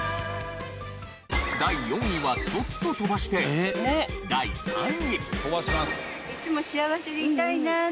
第４位はちょっと飛ばして第３位。